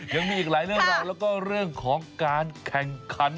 อย่างนี้อีกหลายเรื่องเรื่องของการแข่งคัน